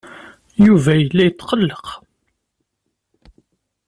Yuba yella yetqelleq.